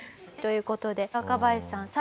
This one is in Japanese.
という事で若林さん